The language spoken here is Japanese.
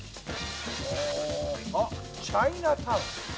あっチャイナタウン。